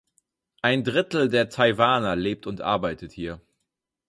Ein Drittel der Taiwaner lebt und arbeitet hier.